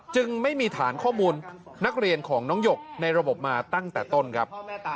จึงไม่มีฐานข้อมูลนักเรียนของน้องหยกในระบบมาตั้งแต่ต้นครับ